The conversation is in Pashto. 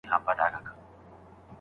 بازاريان به د ساعت قدر نه کوي.